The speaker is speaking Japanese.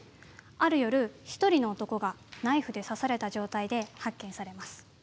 ある夜、１人の男がナイフで刺された状態で発見されます。